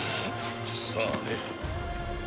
さあね。